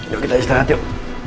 yuk kita istirahat yuk